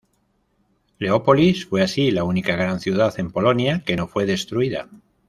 Leópolis fue así la única gran ciudad en Polonia que no fue destruida.